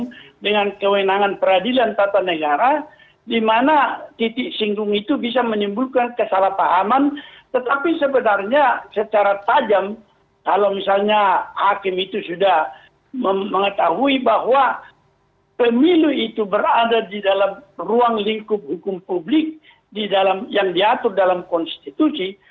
ada kewenangan peradilan tata negara dimana titik singgung itu bisa menimbulkan kesalahpahaman tetapi sebenarnya secara tajam kalau misalnya hakim itu sudah mengetahui bahwa pemilu itu berada di dalam ruang lingkup hukum publik yang diatur dalam konstitusi